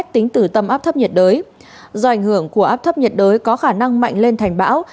tính từ tâm áp thấp nhiệt đới do ảnh hưởng của áp thấp nhiệt đới có khả năng mạnh lên thành bão